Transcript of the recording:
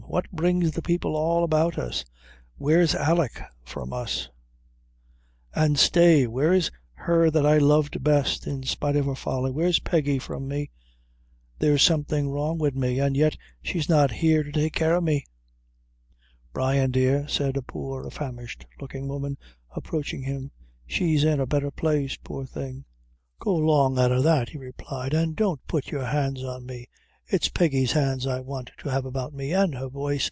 What brings the people all about us? Where's Alick from us an' stay where's her that I loved best, in spite of her folly? Where's Peggy from me there's something wrong wid me and yet she's not here to take care o' me?" "Brian, dear," said a poor famished looking woman approaching him, "she's in a betther place, poor thing." "Go long out o' that," he replied, "and don't put your hands on me. It's Peggy's hands I want to have about me, an' her voice.